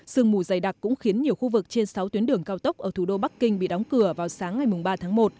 sương mù dày đặc cũng khiến nhiều khu vực trên sáu tuyến đường cao tốc ở thủ đô bắc kinh bị đóng cửa vào sáng ngày ba tháng một